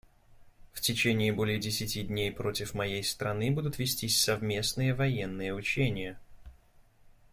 В течение более десяти дней против моей страны будут вестись совместные военные учения.